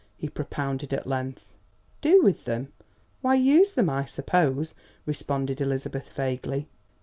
he propounded at length. "Do with them? Why use them, I suppose," responded Elizabeth vaguely.